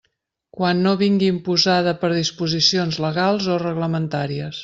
Quan no vingui imposada per disposicions legals o reglamentàries.